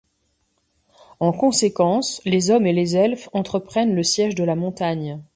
En conséquence, les hommes et les elfes entreprennent le siège de la Montagne.